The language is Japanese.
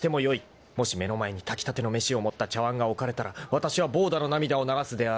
［もし目の前に炊きたての飯を盛った茶わんが置かれたらわたしはぼうだの涙を流すであろう］